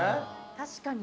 確かに。